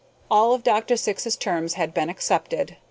All of Dr. Syx's terms had been accepted.